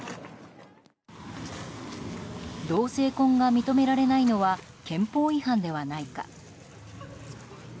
同性婚が認められないのは憲法違反ではないか。